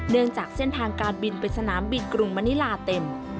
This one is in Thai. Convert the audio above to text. จากเส้นทางการบินเป็นสนามบินกรุงมณิลาเต็ม